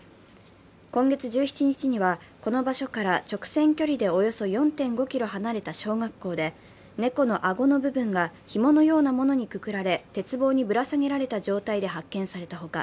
今月１７日にはこの場所から直線距離でおよそ４．５ｋｍ離れた小学校で猫の顎の部分がひものようなものにくくられ、鉄棒にぶら下げられた状態で発見されたほか